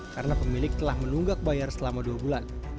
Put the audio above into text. karena pemilik telah menunggak bayar selama dua bulan